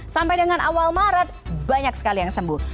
sampai dengan awal maret banyak sekali yang sembuh